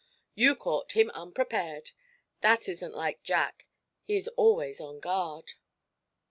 You caught him unprepared. That isn't like Jack. He is always on guard."